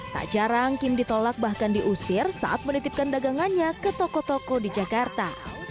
tak jarang kim ditolak bahkan diusir saat menitipkan dagangannya ke toko toko di jakarta